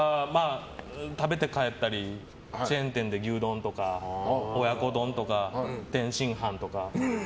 食べて帰ったりチェーン店で牛丼とか親子丼とか、天津飯とか。